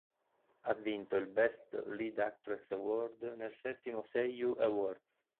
Ha vinto il "Best Lead Actress Award" nel settimo Seiyu Awards.